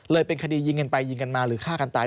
เป็นคดียิงกันไปยิงกันมาหรือฆ่ากันตาย